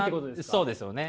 そうですよね。